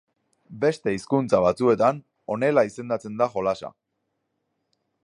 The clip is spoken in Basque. Beste hizkuntza batzuetan honela izendatzen da jolasa.